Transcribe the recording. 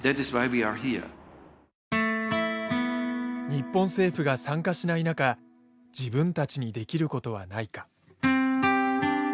日本政府が参加しない中自分たちにできることはないか。